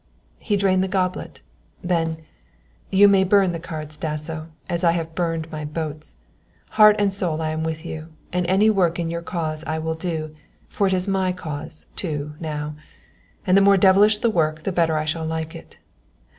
He drained the goblet, then: "You may burn the cards, Dasso, as I have burned my boats. Heart and soul I am with you, and any work in your cause I will do, for it is my cause, too, now. And the more devilish the work the better I shall like it.